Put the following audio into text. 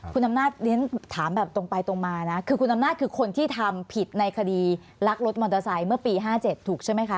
คุณอำนาจเรียนถามแบบตรงไปตรงมานะคือคุณอำนาจคือคนที่ทำผิดในคดีลักรถมอเตอร์ไซค์เมื่อปี๕๗ถูกใช่ไหมคะ